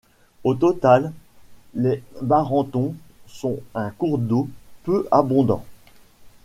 Au total, les Barentons sont un cours d'eau peu abondant.